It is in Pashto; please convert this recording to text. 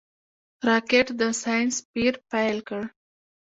راکټ د ساینس پېر پيل کړ